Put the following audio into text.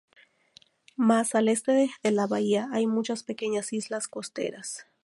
Más al este de la bahía hay muchas pequeñas islas costeras.